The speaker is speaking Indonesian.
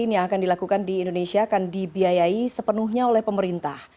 yang akan dilakukan di indonesia akan dibiayai sepenuhnya oleh pemerintah